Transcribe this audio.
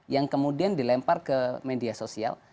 yang kemudian dilempar ke media sosial